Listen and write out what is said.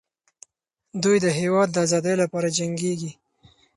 دوی د هېواد د ازادۍ لپاره جنګېږي.